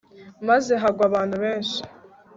maze hagwa abantu benshi